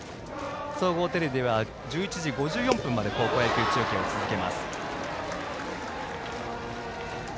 総合テレビでは１１時５４分まで高校野球中継を続けます。